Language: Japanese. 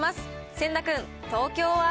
千田君、東京は？